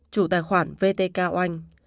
chủ tài khoản vtk oanh